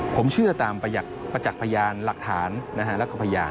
ผมเชื่อตามประจักษ์พยานหลักฐานแล้วก็พยาน